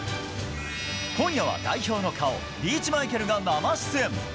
今夜は代表の顔、リーチマイケルが生出演。